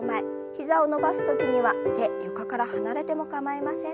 膝を伸ばす時には手床から離れても構いません。